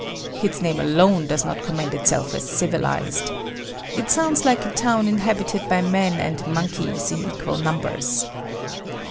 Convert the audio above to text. Its name alone does not commend itself as civilized. It sounds like a town inhabited by men and monkeys in equal numbers.